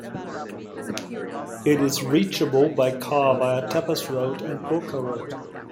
It is reachable by car via Topaz Road and Gourka Road.